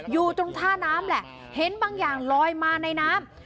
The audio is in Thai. อยู่ตรงท่าน้ำแหละเห็นบางอย่างลอยมาในน้ำ